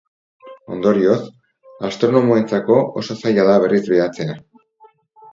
Ondorioz, astronomoentzako oso zaila da berriz behatzea.